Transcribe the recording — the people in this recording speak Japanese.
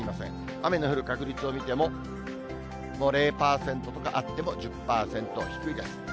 雨の降る確率を見ても、０％とか、あっても１０％、低いです。